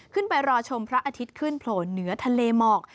ไปรอชมพระอาทิตย์ขึ้นโผล่เหนือทะเลหมอก